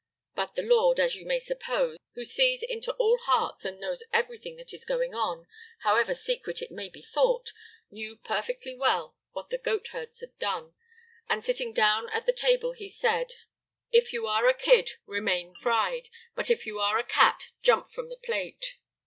But the Lord, as you may suppose, who sees into all hearts and knows everything that is going on, however secret it may be thought, knew perfectly well what the goat herds had done, and sitting down at the table He said: 'If you are a kid, Remain fried. But if you are a cat, Jump from the plate.'